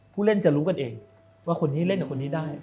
ผู้เล่นจะรู้กันเองว่าคนนี้เล่นกับคนนี้ได้